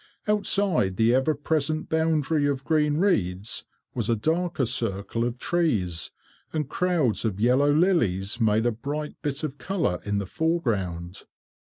Outside the ever present boundary of green reeds, was a darker circle of trees, and crowds of yellow lilies made a bright bit of colour in the foreground.